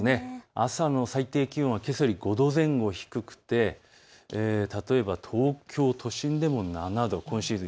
朝の最低気温はきょうより５度前後低くて例えば東京都心でも７度、今シーズン